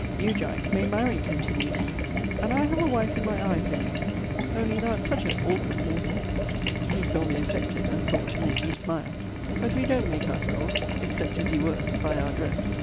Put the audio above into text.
'You, Jack, may marry,' continued he; 'and I have a wife in my eye for you. Only thou'rt such an awkward mortal:' [he saw me affected, and thought to make me smile:] 'but we don't make ourselves, except it be worse by our dress.